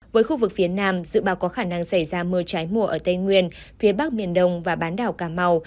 với khu vực phía nam dự báo có khả năng xảy ra mưa trái mùa ở tây nguyên phía bắc miền đông và bán đảo cà mau